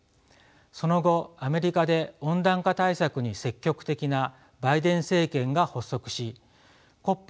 その後アメリカで温暖化対策に積極的なバイデン政権が発足しＣＯＰ